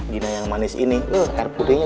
dina yang manis ini eh air putihnya